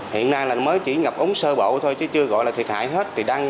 hiện nay là mới chỉ ngập ống sơ bộ thôi chứ chưa gọi là thiệt hại hết